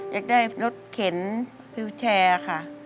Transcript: อยากได้รถเข็นวิวแชร์ค่ะ